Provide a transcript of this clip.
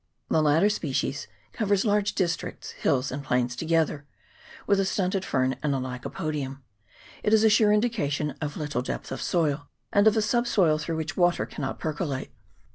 The latter species covers large districts, hills and plains together, with a stunted fern and a Lycopodium : it is a sure indication of little depth of soil, and of a subsoil through which the water cannot perco late.